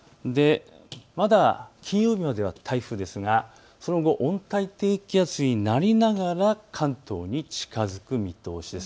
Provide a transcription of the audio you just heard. まだ金曜日までは台風ですがその後、温帯低気圧になりながら関東に近づく見通しです。